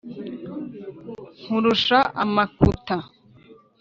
nkurusha amakuta,